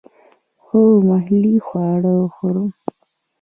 هو، محلی خواړه خورم